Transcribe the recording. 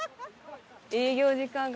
営業時間が。